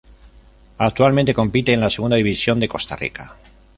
Actualmente compite en la Segunda División de Costa Rica.